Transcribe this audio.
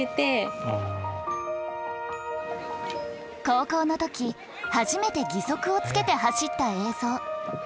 高校の時初めて義足をつけて走った映像。